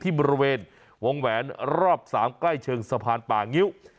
บริเวณวงแหวนรอบ๓ใกล้เชิงสะพานป่างิ้ว